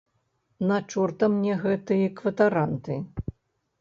На чорта мне гэтыя кватаранты?